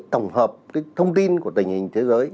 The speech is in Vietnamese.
tổng hợp thông tin của tình hình thế giới